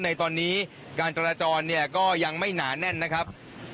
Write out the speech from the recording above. ในตอนนี้การจราจรเนี่ยก็ยังไม่หนาแน่นนะครับ